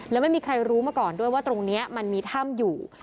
แล้วไม่มีใครรู้มาก่อนด้วยว่าตรงนี้มันมีถ้ำอยู่